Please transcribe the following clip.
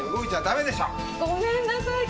ごめんなさい。